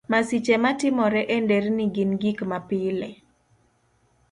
Masiche matimore e nderni gin gik mapile.